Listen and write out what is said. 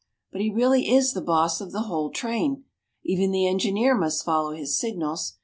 But he really is the boss of the whole train. Even the engineer must follow his signals.